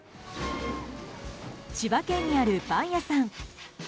千葉県にあるパン屋さん。